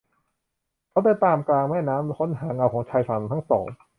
เขาเดินตามกลางแม่น้ำ ค้นหาเงาของชายฝั่งทั้งสอง